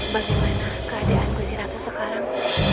bagaimana keadaan gusiratu sekarang